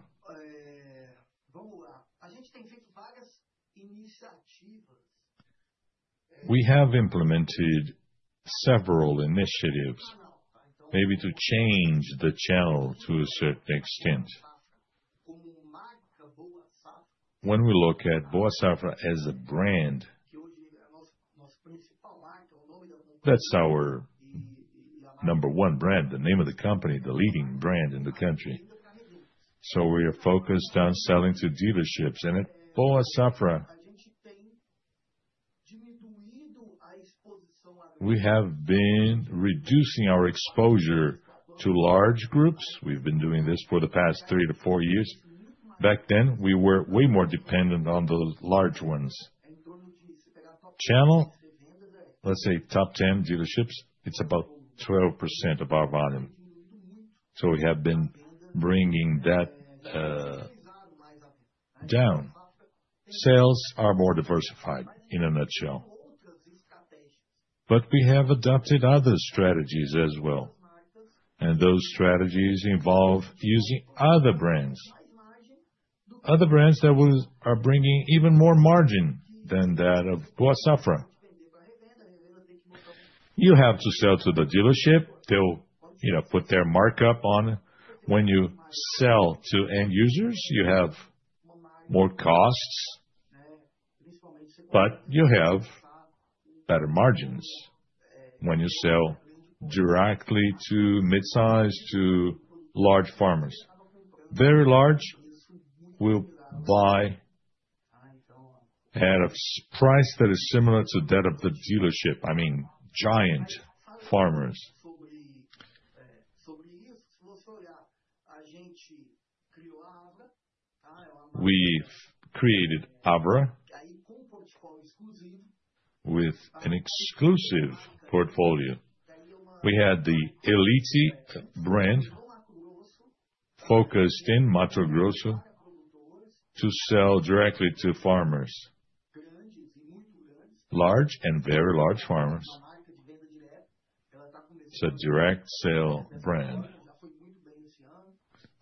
We have implemented several initiatives, maybe to change the channel to a certain extent. When we look at Boa Safra as a brand, that's our number one brand, the name of the company, the leading brand in the country. So we are focused on selling to dealerships. And at Boa Safra, we have been reducing our exposure to large groups. We've been doing this for the past three to four years. Back then, we were way more dependent on the large ones. Channel, let's say top 10 dealerships, it's about 12% of our volume. So we have been bringing that down. Sales are more diversified in a nutshell. But we have adopted other strategies as well. And those strategies involve using other brands, other brands that are bringing even more margin than that of Boa Safra. You have to sell to the dealership. Still put their markup on when you sell to end users, you have more costs, but you have better margins when you sell directly to mid-size, to large farmers. Very large will buy at a price that is similar to that of the dealership, I mean, giant farmers. We've created Abra with an exclusive portfolio. We had the Elite brand focused in Mato Grosso to sell directly to farmers, large and very large farmers. It's a direct sale brand.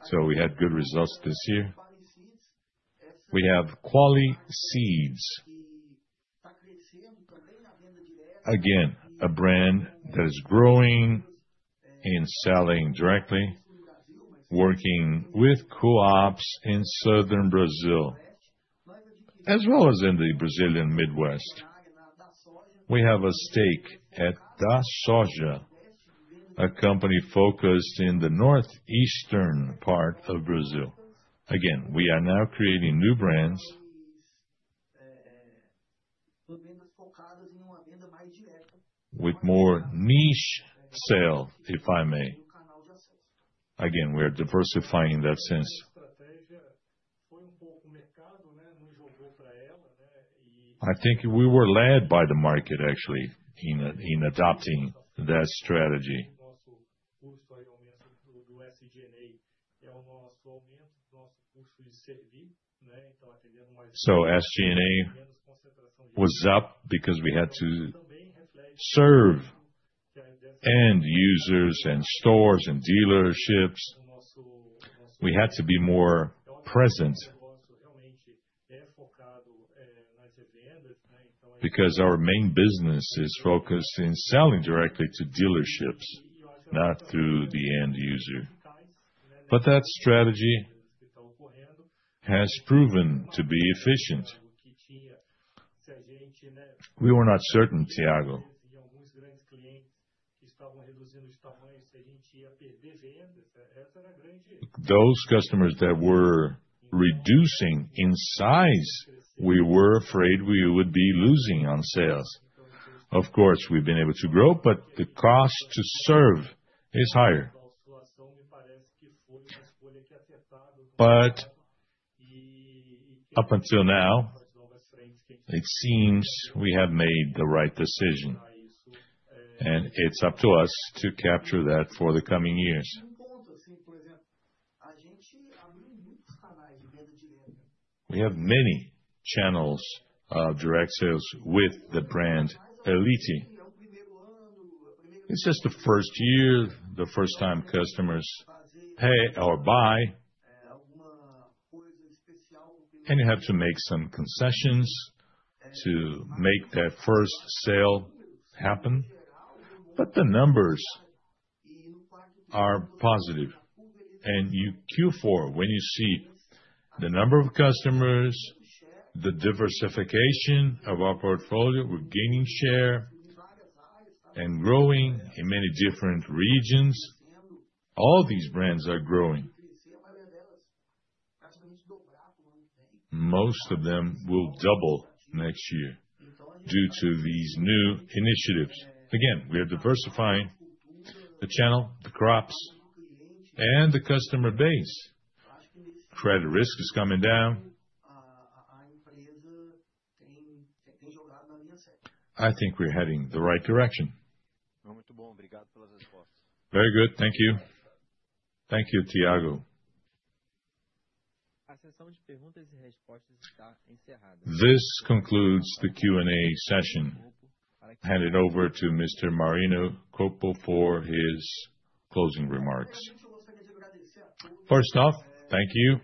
So we had good results this year. We have quality seeds. Again, a brand that is growing and selling directly, working with co-ops in southern Brazil, as well as in the Brazilian Midwest. We have a stake at DaSoja, a company focused in the northeastern part of Brazil. Again, we are now creating new brands with more niche sale, if I may. Again, we are diversifying in that sense. I think we were led by the market, actually, in adopting that strategy. So SG&A was up because we had to serve end users and stores and dealerships. We had to be more present because our main business is focused in selling directly to dealerships, not through the end user. But that strategy has proven to be efficient. We were not certain, Thiago, those customers that were reducing in size, we were afraid we would be losing on sales. Of course, we've been able to grow, but the cost to serve is higher. But up until now, it seems we have made the right decision. And it's up to us to capture that for the coming years. We have many channels of direct sales with the brand Elite. It's just the first year, the first time customers pay or buy. And you have to make some concessions to make that first sale happen. But the numbers are positive. And in Q4, when you see the number of customers, the diversification of our portfolio, we're gaining share and growing in many different regions. All these brands are growing. Most of them will double next year due to these new initiatives. Again, we are diversifying the channel, the crops, and the customer base. Credit risk is coming down. I think we're heading the right direction. Very good. Thank you. Thank you, Thiago. A sessão de perguntas e respostas está encerrada. This concludes the Q&A session. Hand it over to Mr. Marino Colpo for his closing remarks. First off, thank you.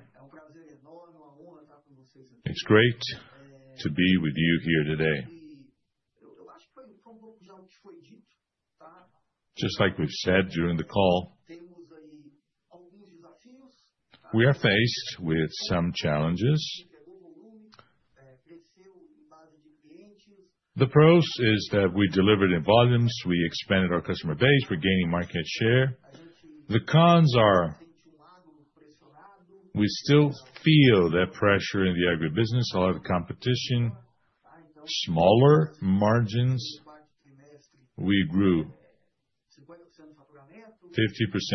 It's great to be with you here today. Just like we've said during the call, we are faced with some challenges. The pros are that we delivered in volumes, we expanded our customer base, we're gaining market share. The cons are we still feel that pressure in the agribusiness, a lot of competition, smaller margins. We grew 50%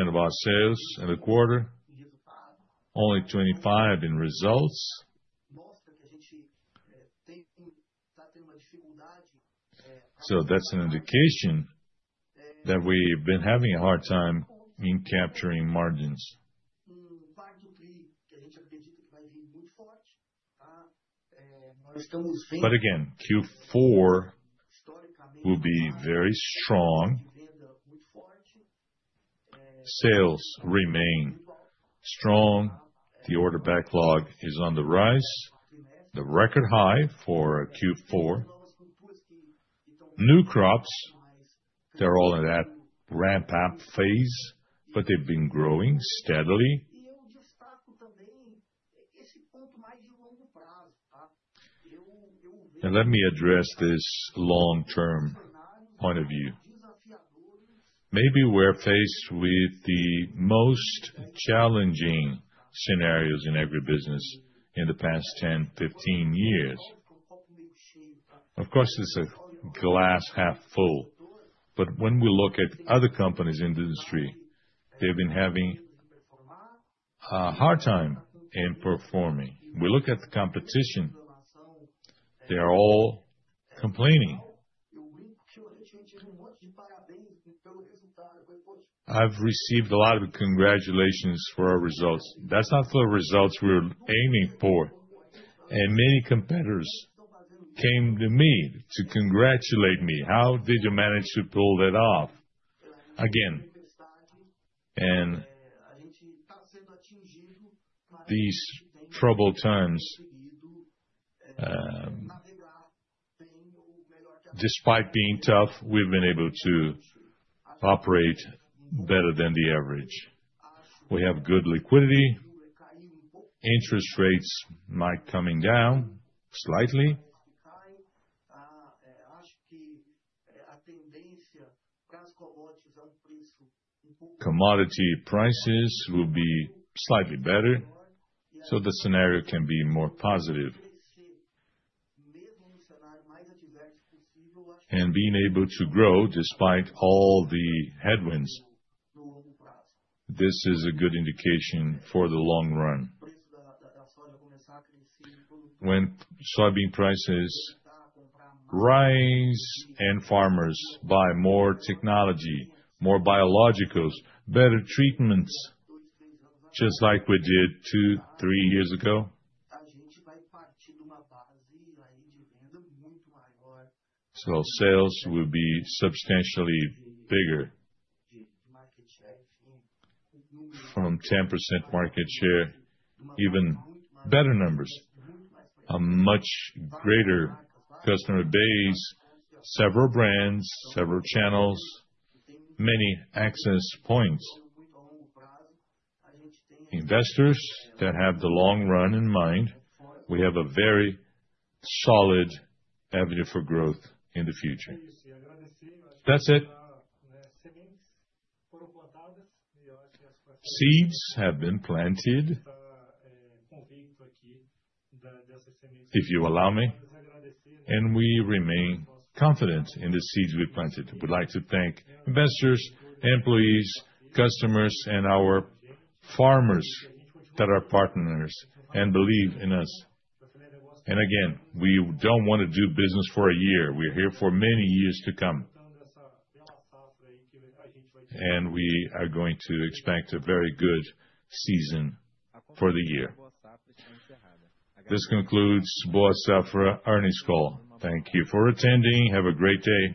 of our sales in the quarter, only 25% in results. So that's an indication that we've been having a hard time in capturing margins. But again, Q4 will be very strong, sales remain strong, the order backlog is on the rise, the record high for Q4. New crops, they're all in that ramp-up phase, but they've been growing steadily. Let me address this long-term point of view. Maybe we're faced with the most challenging scenarios in agribusiness in the past 10, 15 years. Of course, it's a glass half full. But when we look at other companies in the industry, they've been having a hard time in performing. We look at the competition, they're all complaining. I've received a lot of congratulations for our results. That's not the results we were aiming for. Many competitors came to me to congratulate me. How did you manage to pull that off? Again, these troubled times, despite being tough, we've been able to operate better than the average. We have good liquidity. Interest rates might be coming down slightly. Commodity prices will be slightly better, so the scenario can be more positive. Being able to grow despite all the headwinds, this is a good indication for the long run. When soybean prices rise and farmers buy more technology, more biologicals, better treatments, just like we did two, three years ago, our sales will be substantially bigger from 10% market share, even better numbers, a much greater customer base, several brands, several channels, many access points. Investors that have the long run in mind, we have a very solid avenue for growth in the future. That's it. Seeds have been planted if you allow me, and we remain confident in the seeds we planted. We'd like to thank investors, employees, customers, and our farmers that are partners and believe in us. And again, we don't want to do business for a year. We're here for many years to come. And we are going to expect a very good season for the year. This concludes Boa Safra Earnings Call. Thank you for attending. Have a great day.